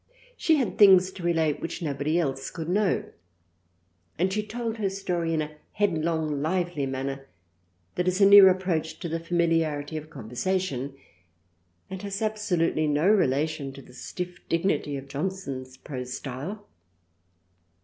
She had things to relate which nobody else could know, and she told her story in a headlong lively manner that is a near approach to the familiarity of conversation, and has absolutely no relation to the stiff dignity of Johnson's prose style.